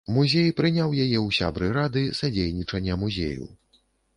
Музей прыняў яе ў сябры рады садзейнічання музею.